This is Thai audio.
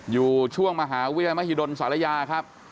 อยู่ช่วงมหาเวียมหิดลสาระยาครับ